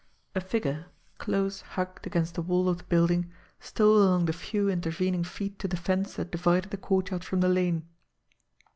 A figure, close hugged against the wall of the building, stole along the few intervening feet to the fence that divided the courtyard from the lane.